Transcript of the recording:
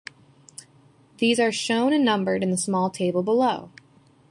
These are shown and numbered in the small table below.